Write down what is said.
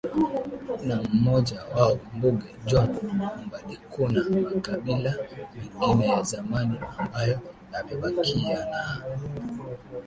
na mmoja wao Mbunge John MbadiKuna makabila mengine ya zamani ambayo yamebakia na